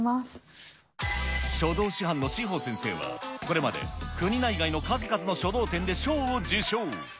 書道師範の志帆先生は、これまで国内外の数々の書道展で賞を受賞。